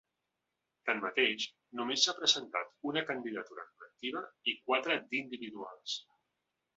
Tanmateix, només s’ha presentat una candidatura col·lectiva i quatre d’individuals.